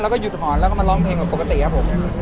แล้วก็หยุดหอนแล้วก็มาร้องเพลงแบบปกติครับผม